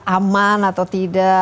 aman atau tidak